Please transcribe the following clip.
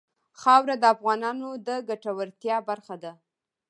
خاوره د افغانانو د ګټورتیا برخه ده.